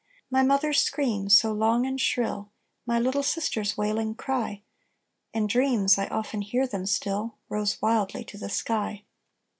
"My mother's scream, so long and shrill, My little sister's wailing cry (In dreams I often hear them still!), Rose wildly to the sky.